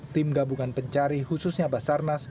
tim gabungan pencari khususnya basarnas